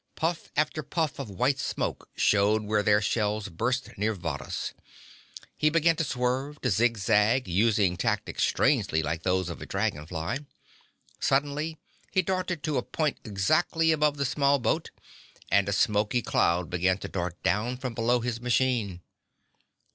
Puff after puff of white smoke showed where their shells burst near Varrhus. He began to swerve, to zigzag, using tactics strangely like those of a dragon fly. Suddenly he darted to a point exactly above the small boat, and a smoky cloud began to dart down from below his machine.